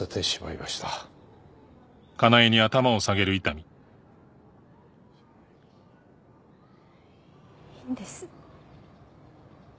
いいんです。